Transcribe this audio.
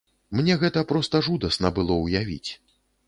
Мне гэта проста жудасна было ўявіць.